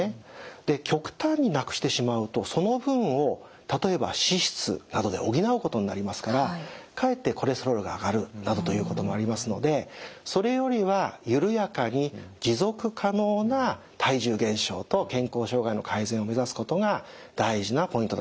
で極端に無くしてしまうとその分を例えば脂質などで補うことになりますからかえってコレステロールが上がるなどということもありますのでそれよりはゆるやかに持続可能な体重減少と健康障害の改善を目指すことが大事なポイントだと思います。